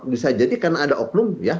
bisa jadi karena ada oknum ya